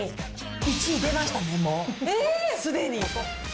１位出ましたね、すでに。